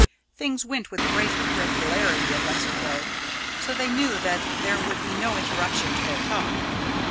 Things went with great regularity at Lesser Hill, so they knew that there would be no interruption to their talk.